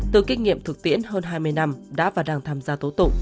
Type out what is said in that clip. từ kinh nghiệm thực tiễn hơn hai mươi năm đã và đang tham gia tố tụng